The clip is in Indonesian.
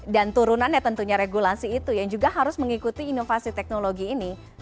turunannya tentunya regulasi itu yang juga harus mengikuti inovasi teknologi ini